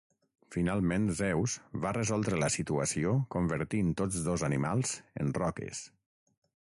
Finalment Zeus va resoldre la situació convertint tots dos animals en roques.